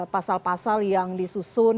pasal pasal yang disusun